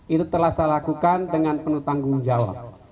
itu telah saya lakukan dengan penuh tanggung jawab